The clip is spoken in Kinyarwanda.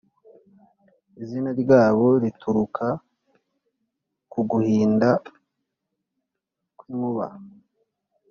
izina ryabo rituruka ku guhinda kw’inkuba,